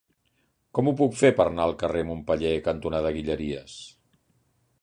Com ho puc fer per anar al carrer Montpeller cantonada Guilleries?